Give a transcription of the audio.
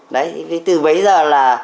đấy từ bấy giờ là